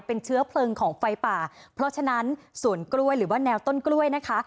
เป็นเชื้อเพลิงของไฟป่าเพราะฉะนั้นสวนกล้วยหรือว่าแนวต้นกล้วยนะคะ